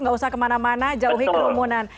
gak usah kemana mana jauhi kerumunan